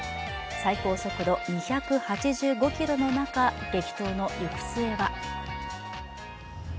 最高速度２８５キロの中、激闘の行く末は。